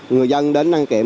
người dân đến đăng kiểm